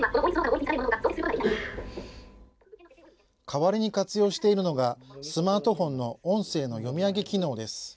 代わりに活用しているのが、スマートフォンの音声の読み上げ機能です。